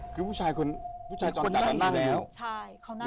คือผู้ชายจรจับนั่งอยู่ใช่เขานั่งอยู่